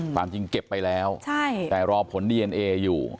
ความจริงเก็บไปแล้วแต่รอผลดีเอนเออยู่